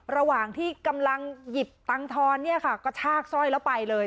ระหว่างที่กำลังหยิบตังธรณ์ก็ชากสร้อยละไปเลย